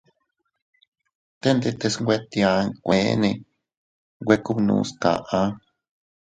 Te ndetes nwe tia nkueene nwe kubnus kaʼa.